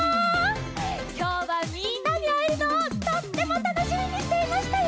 きょうはみんなにあえるのをとってもたのしみにしていましたよ！